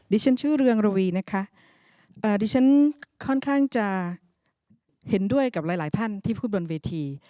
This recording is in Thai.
ชื่อเรืองระวีนะคะดิฉันค่อนข้างจะเห็นด้วยกับหลายหลายท่านที่พูดบนเวที